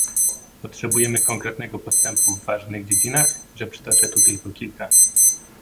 Potrzebujemy konkretnego postępu w ważnych dziedzinach, że przytoczę tu tylko kilka